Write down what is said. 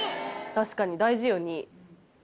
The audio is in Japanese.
確かに大事よ「に」。